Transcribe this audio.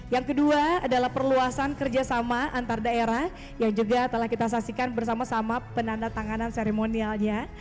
yang kedua adalah perluasan kerjasama antar daerah yang juga telah kita saksikan bersama sama penanda tanganan seremonialnya